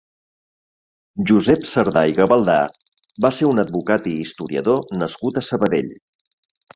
Josep Sardà i Gavaldà va ser un advocat i historiador nascut a Sabadell.